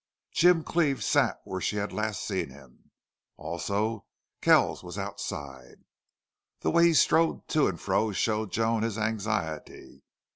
Jim Cleve sat where she had last seen him. Also Kells was outside. The way he strode to and fro showed Joan his anxiety.